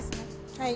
はい。